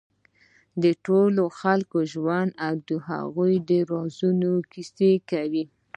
د خپل ټول ژوند او د هغه رازونو کیسې کوي.